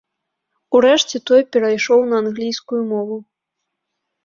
Урэшце той перайшоў на англійскую мову.